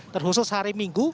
terkhusus hari minggu